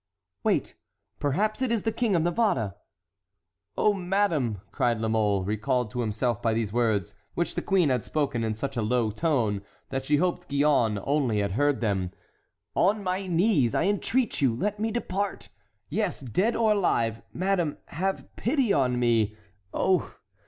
"Wait! perhaps it is the King of Navarre." "Oh, madame!" cried La Mole, recalled to himself by these words, which the queen had spoken in such a low tone that she hoped Gillonne only had heard them, "on my knees I entreat you, let me depart. Yes, dead or alive! madame, have pity on me! Oh!